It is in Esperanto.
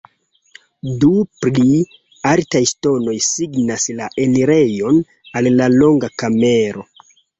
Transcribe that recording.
Du pli altaj ŝtonoj signas la enirejon al la longa kamero.